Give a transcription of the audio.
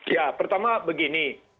ya pertama begini